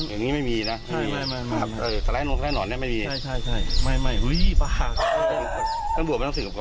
อย่างนี้ไม่มีนะ